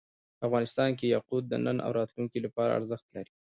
افغانستان کې یاقوت د نن او راتلونکي لپاره ارزښت لري.